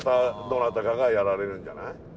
どなたかがやられるんじゃない？